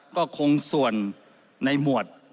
ก็คงส่วนในหมวด